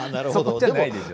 そっちじゃないでしょ。